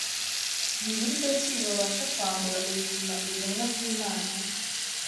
Ni buryo ki babasha kwambura ubuzima ibiremwa by’Imana